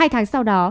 hai tháng sau đó